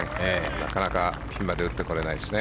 なかなかピンまで打ってこれないですね。